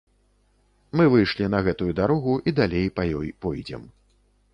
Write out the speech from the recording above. Мы выйшлі на гэтую дарогу і далей па ёй пойдзем.